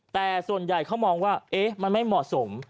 แต่ส่วนใหญ่เขามองว่ามันไม่เหมาะสม